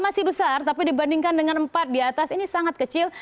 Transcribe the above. masih besar tapi dibandingkan dengan empat di atas ini sangat kecil